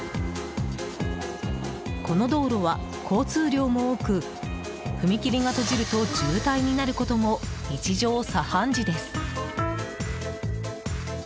この道路は交通量も多く踏切が閉じると渋滞になることも日常茶飯事です。